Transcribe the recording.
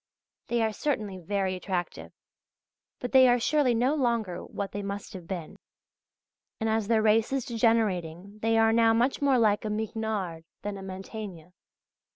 They are certainly very attractive; but they are surely no longer what they must have been. And as their race is degenerating they are now much more like a Mignard than a Mantegna.